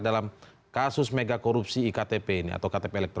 dalam kasus megakorupsi iktp ini atau ktp